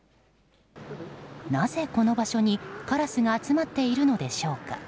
なぜ、この場所にカラスが集まっているのでしょうか。